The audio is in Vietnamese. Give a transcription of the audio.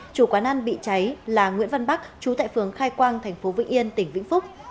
chủ quán ăn bị cháy là nguyễn văn bắc chú tại phường khai quang thành phố vĩnh yên tỉnh vĩnh phúc